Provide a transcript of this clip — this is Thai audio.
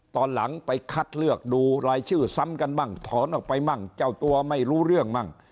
ตอนหลังไปคัดเลือกดูรายชื่อซ้ำกันมั่งถอนออกไปมั่งเจ้าตัวไม่รู้เรื่องมั่ง